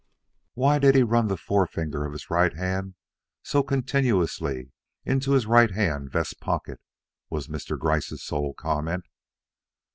"Why did he run the forefinger of his right hand so continuously into his right hand vest pocket?" was Mr. Gryce's sole comment.